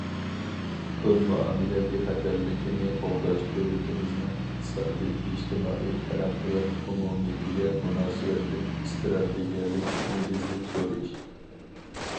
پۇل مۇئامىلە بىخەتەرلىكىنى قوغداش دۆلىتىمىزنىڭ ئىقتىسادىي، ئىجتىمائىي تەرەققىيات ئومۇمىيىتىگە مۇناسىۋەتلىك ئىستراتېگىيەلىك، نېگىزلىك زور ئىش.